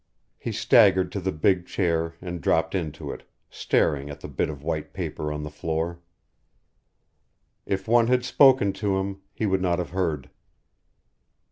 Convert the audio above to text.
He staggered to the big chair and dropped into it, staring at the bit of white paper on the floor. If one had spoken to him he would not have heard.